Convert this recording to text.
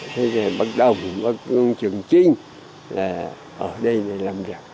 thế này bắt đầu bắt trường trinh ở đây là làm rạc